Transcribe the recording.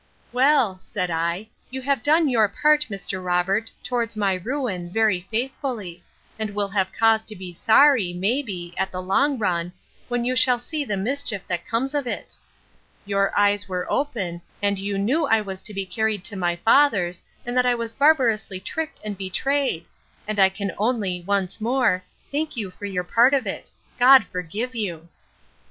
Well, said I, you have done your part, Mr. Robert, towards my ruin, very faithfully; and will have cause to be sorry, may be, at the long run, when you shall see the mischief that comes of it.—Your eyes were open, and you knew I was to be carried to my father's, and that I was barbarously tricked and betrayed; and I can only, once more, thank you for your part of it. God forgive you!